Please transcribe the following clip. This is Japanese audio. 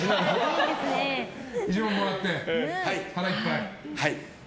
１万円もらって腹いっぱいと。